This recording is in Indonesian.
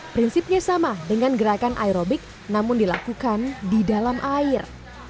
prinsipnya sama dengan gerakan aerobik namun dilakukan di dalam air